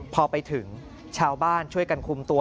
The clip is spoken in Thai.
พอไปถึงชาวบ้านช่วยกันคุมตัว